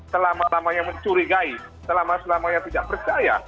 selama lamanya mencurigai selama selamanya tidak percaya